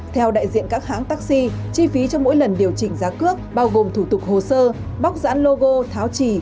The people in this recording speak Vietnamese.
theo đại diện các hãng taxi chi phí cho mỗi lần điều chỉnh giá cước bao gồm thủ tục hồ sơ bóc giãn logo tháo trì